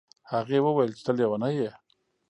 هغې وویل چې ته لیونی یې.